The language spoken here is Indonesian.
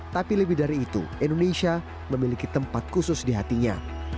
tapi lebih dari itu indonesia memiliki tempat khusus di hatinya